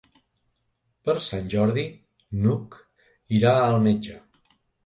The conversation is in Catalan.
Per Sant Jordi n'Hug irà al metge.